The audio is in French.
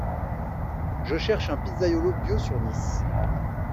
Je cherche un pizzaiole bio sur Nice.